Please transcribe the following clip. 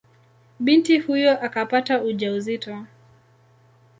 Binti huyo akapata ujauzito.